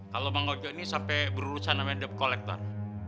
kalau bang ojo ini sampai berurusan namanya dep kolektor